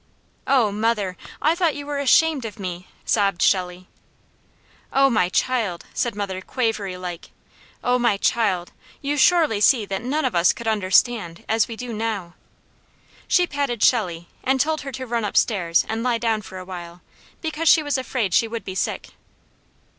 "Oh mother! I thought you were ashamed of me!" sobbed Shelley. "Oh my child!" said mother quavery like. "Oh my child! You surely see that none of us could understand, as we do now." She patted Shelley, and told her to run upstairs and lie down for a while, because she was afraid she would be sick.